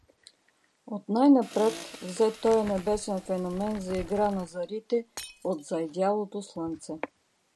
От най-напред взе тоя небесен феномен за игра на зарите от зайдялото слънце.